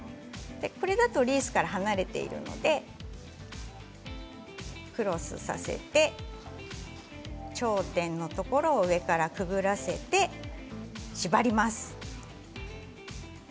これだとリースから離れているのでクロスさせて頂点のところを上からくぐらせて縛ります。